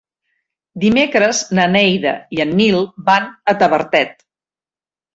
Dimecres na Neida i en Nil van a Tavertet.